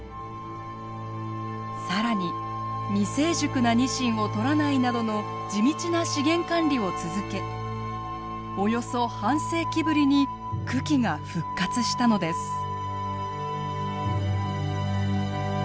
更に未成熟なニシンを取らないなどの地道な資源管理を続けおよそ半世紀ぶりに群来が復活したのです。